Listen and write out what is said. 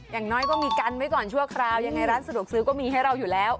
อย่างน้อยก็มีกันไว้ก่อนชั่วคราวยังไงร้านสะดวกซื้อก็มีให้เราอยู่แล้ว